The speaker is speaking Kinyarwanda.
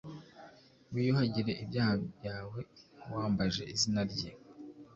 wiyuhagire ibyaha byawe, wambaje izina rye